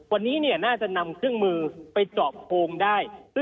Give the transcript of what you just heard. วันนี้น่าจะนำเครื่องมือไปเจาะโพงได้